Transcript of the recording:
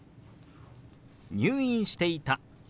「入院していた」。